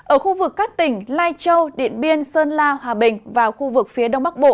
ở khu vực các tỉnh lai châu điện biên sơn la hòa bình và khu vực phía đông bắc bộ